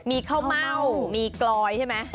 มีข้าวเม่ามีกลอยใช่ไหม